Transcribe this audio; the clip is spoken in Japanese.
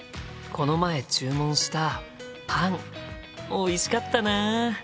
この前注文したパンおいしかったな。